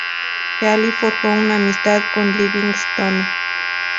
Healy forjó una amistad con Livingstone.